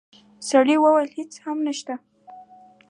سړی وویل: هیڅ هم نشته.